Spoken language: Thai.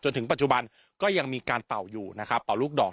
ถึงปัจจุบันก็ยังมีการเป่าอยู่นะครับเป่าลูกดอก